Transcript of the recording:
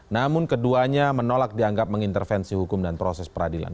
namun keduanya menolak dianggap mengintervensi hukum dan proses peradilan